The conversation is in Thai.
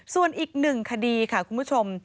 ส่วนอีกหนึ่งคดีค่ะคุณผู้ชม